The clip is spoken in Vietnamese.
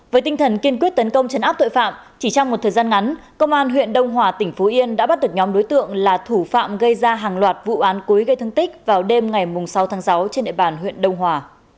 với tinh thần kiên quyết tấn công chấn áp tội phạm chỉ trong một thời gian ngắn công an huyện đông hòa tỉnh phú yên đã bắt được nhóm đối tượng là thủ phạm gây ra hàng loạt vụ án cuối gây thân tích vào đêm ngày sáu tháng sáu trên địa bàn huyện đông hòa